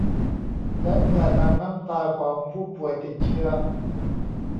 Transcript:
และเมื่อนำน้ำตาของผู้ป่วยติดเชื้อ